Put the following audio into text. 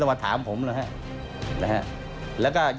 ส่วนต่างกระโบนการ